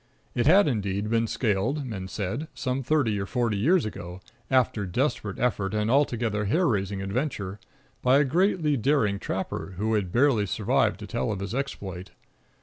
It had indeed been scaled, men said, some thirty or forty years ago, after desperate effort and altogether hair raising adventure, by a greatly daring trapper, who had barely survived to tell of his exploit.